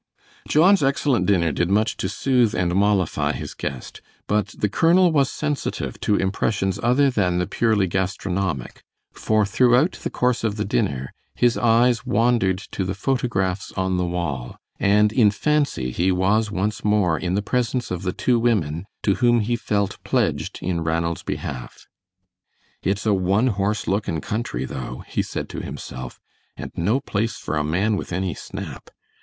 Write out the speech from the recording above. John's excellent dinner did much to soothe and mollify his guest; but the colonel was sensitive to impressions other than the purely gastronomic, for throughout the course of the dinner, his eyes wandered to the photographs on the wall, and in fancy he was once more in the presence of the two women, to whom he felt pledged in Ranald's behalf. "It's a one horse looking country, though," he said to himself, "and no place for a man with any snap.